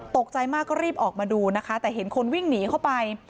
ตกใจมากก็รีบออกมาดูนะคะแต่เห็นคนวิ่งหนีเข้าไป